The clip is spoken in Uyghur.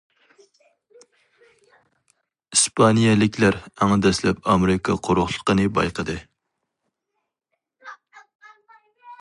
ئىسپانىيەلىكلەر ئەڭ دەسلەپ ئامېرىكا قۇرۇقلۇقىنى بايقىدى.